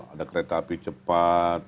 ada kereta api cepat